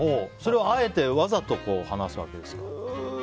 それはあえてわざと話すわけですか？